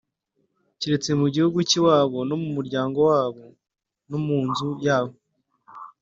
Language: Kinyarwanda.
keretse mu gihugu cy'iwabo, no mu muryango wabo, no mu nzu yabo.